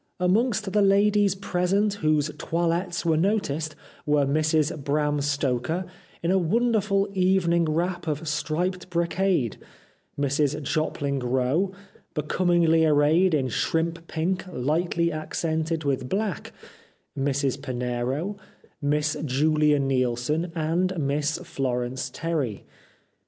Amongst the ladies present whose toilettes were noticed were Mrs Bram Stoker * in a wonderful evening wrap of striped brocade/ Mrs Jopling Rowe 'becom ingly arrayed in shrimp pink, hghtly accented with black/ Mrs Pinero, Miss JuHa Neilson, and Miss Florence Terry.